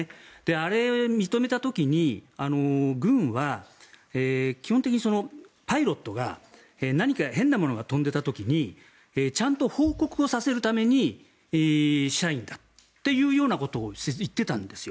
あれ、認めた時に軍は基本的にパイロットが何か変なものが飛んでいた時にちゃんと報告をさせるためにしたんだということを説明していたんですよ。